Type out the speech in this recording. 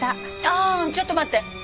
ああちょっと待って。